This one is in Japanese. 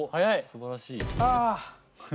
すばらしい！は